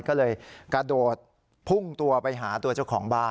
ก็เลยกระโดดพุ่งตัวไปหาตัวเจ้าของบ้าน